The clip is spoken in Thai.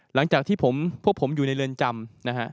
หลังจากที่พวกผมอยู่ในเรือนจำนะฮะ